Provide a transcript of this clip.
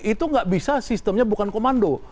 itu nggak bisa sistemnya bukan komando